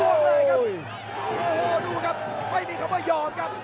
โอ้โหดูครับไม่มีคำว่ายอมครับ